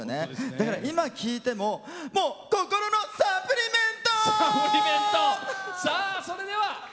だから、今聴いてももう、心のサプリメント！